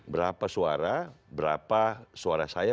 berapa suara berapa suara saya